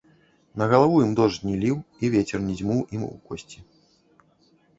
На галаву ім дождж не ліў, і вецер не дзьмуў ім у косці.